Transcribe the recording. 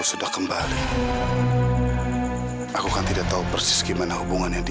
sampai jumpa di video selanjutnya